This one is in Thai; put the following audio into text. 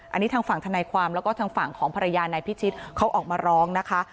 อันนี้ทางฝั่งธนายความแล้วก็ทางฝั่งของภรรยานายพิชิตเขาออกมาร้องนะคะ